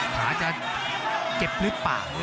ขาจะเจ็บหรือเปล่า